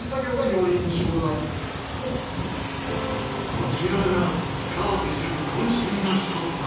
こちらが川手シェフ渾身の一皿。